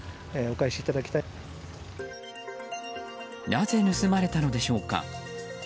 なぜ盗まれたのでしょうか。